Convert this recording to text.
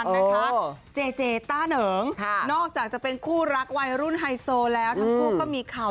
ไม่ว่าจะอะไรก็ตามอยู่แม่งโดนคนด่า